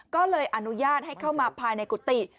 ก็เลยอนุญาตให้เข้ามาภายในกุฏิ